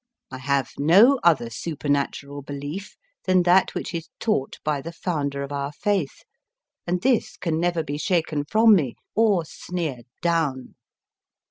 I have no other supernatural belief than that which is taught by the Founder of our Faith, and this can never be shaken from me or sneered down.